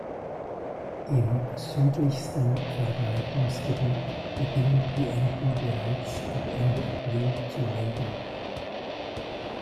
Im südlichsten Verbreitungsgebiet beginnen die Enten bereits ab Ende April zu legen.